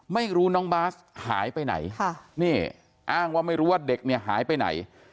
ไม่รู้น้องบาสหายไปไหนอ้างว่าไม่รู้ว่าเด็กหายไปไหน